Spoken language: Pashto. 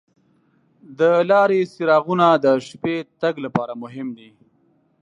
د لارې څراغونه د شپې تګ لپاره مهم دي.